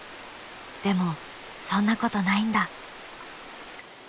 でもそんなことないんだ。